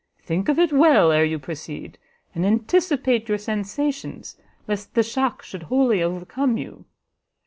Think of it well ere you proceed, and anticipate your sensations, lest the shock should wholly overcome you.